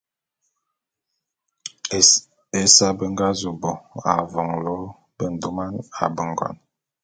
Ésae…be nga zu bo a mvolo bendôman a bengon.